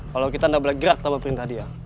kalau kita gak boleh gerak tanpa perintah dia